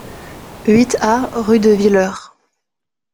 huit A rue de Willer